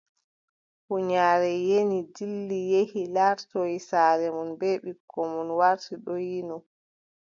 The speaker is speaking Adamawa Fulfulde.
Huunyaare yini dilli yehi laartoy saare mum bee ɓikkon mum warti ɗon yino.